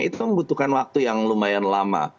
itu membutuhkan waktu yang lumayan lama